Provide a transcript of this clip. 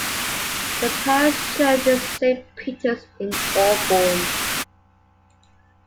The parish church is Saint Peter's in Aubourn.